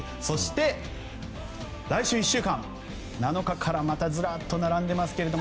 そして来週１週間、７日からまたずらっと並びますが。